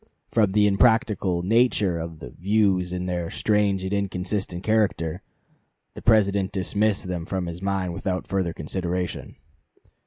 "From the impracticable nature of the 'Views,' and their strange and inconsistent character, the President dismissed them from his mind without further consideration."